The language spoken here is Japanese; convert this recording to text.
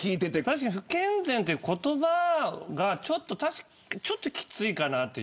確かに不健全という言葉がちょっときついかなと。